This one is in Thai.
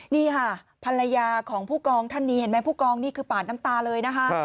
นี่ค่ะภรรยาของผู้กองท่านนี้เห็นไหมผู้กองนี่คือปาดน้ำตาเลยนะคะ